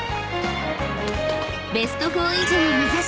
［ベスト４以上を目指し］